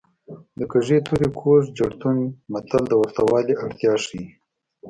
د کږې تورې کوږ چړتون وي متل د ورته والي اړتیا ښيي